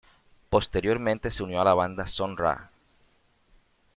Posteriormente se unió a la banda de Sun Ra.